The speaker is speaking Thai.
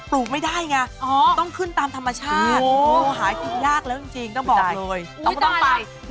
แล้วมีกินได้ทุกวันมั้ยเนี่ยที่เนี่ยแล้วมีกินได้ทุกวัน